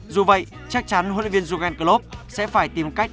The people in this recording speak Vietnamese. dù vậy chắc chắn huấn luyện viên dugan klopp sẽ phải tìm cách